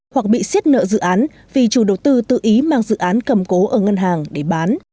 hoặc bị xiết nợ dự án vì chủ đầu tư tự ý mang dự án cầm cố ở ngân hàng để bán